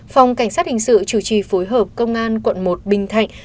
phòng cảnh sát hình sự chủ trì phối hợp công an quận một bình thạnh